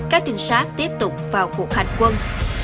các trinh sát tiếp tục vào cuộc hành quân